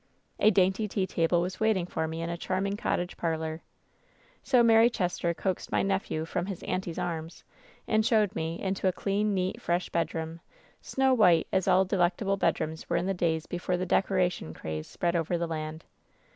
"A dainty tea table was waiting for me in a charming cottage parlor. So Mary Chester coaxed my 'nepheV from his 'auntie's' arms and showed me into a clean, neat, fresh bedroom, snow white, as all delectable bed rooms were in the days before the 'decoration' craze spread over the land.